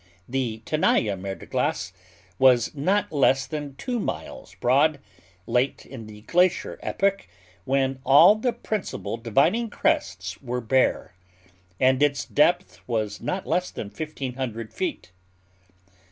The Tenaya mer de glace was not less than two miles broad, late in the glacier epoch, when all the principal dividing crests were bare; and its depth was not less than fifteen hundred feet.